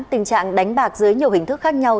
tình trạng đánh bạc dưới nhiều hình thức khác nhau